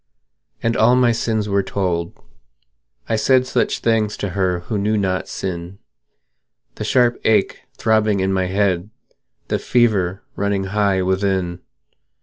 And all my sins were told; I said Such things to her who knew not sin The sharp ache throbbing in my head, The fever running high within.